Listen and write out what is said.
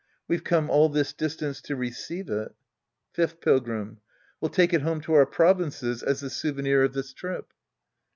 We've come all this distance to receive it. Fifth Pilgrim. We'll take it home to our prov. inces as the souvenir of this trip.